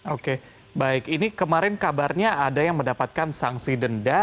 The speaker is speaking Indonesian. oke baik ini kemarin kabarnya ada yang mendapatkan sanksi denda